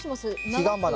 ヒガンバナ！